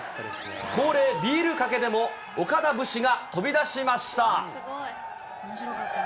恒例、ビールかけでも、岡田節が飛び出しました。